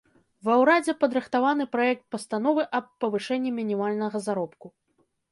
Ва ўрадзе падрыхтаваны праект пастановы аб павышэнні мінімальнага заробку.